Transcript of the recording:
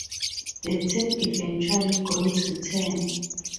The team eventually grew to ten.